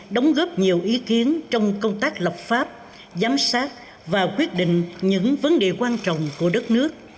đóng góp nhiều ý kiến trong công tác lập pháp giám sát và quyết định những vấn đề quan trọng của đất nước